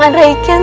full atau tidak